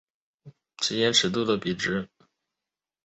底波拉数定义为驰豫时间及观测时间尺度的比值。